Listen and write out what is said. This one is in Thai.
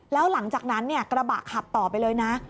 แล้วหลังจากนั้นกระบะขับต่อไปเลยนะ